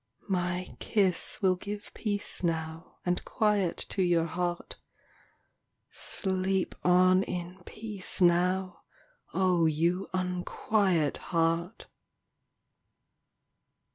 My kiss will give peace now And quiet to your heart — Sleep on in peace now, O you unquiet heart